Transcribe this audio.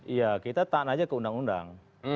iya kita tahan aja ke undang undang